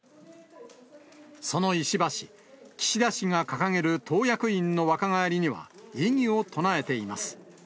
その石破氏、岸田氏が掲げる党役員の若返りには、異議を唱えています。